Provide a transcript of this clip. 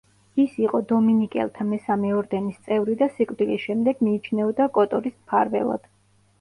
ის იყო დომინიკელთა მესამე ორდენის წევრი და სიკვდილის შემდეგ მიიჩნეოდა კოტორის მფარველად.